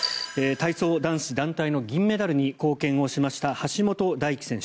体操男子団体の銀メダルに貢献をした橋本大輝選手。